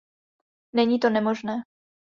Není to nemožné.